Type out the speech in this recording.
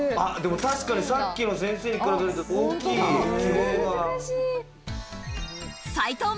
確かにさっきの先生のに比べると大きい、気泡が。